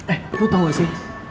eh lo tau gak sih